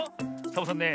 サボさんね